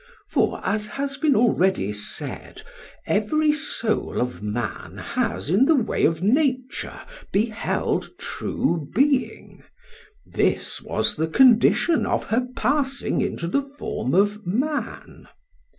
For, as has been already said, every soul of man has in the way of nature beheld true being; this was the condition of her passing into the form of man.